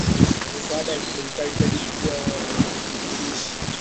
misaada ya serikali Idadi kubwa ya wawakilishi